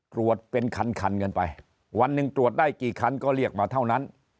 ตรวจเป็นคันคันกันไปวันหนึ่งตรวจได้กี่คันก็เรียกมาเท่านั้น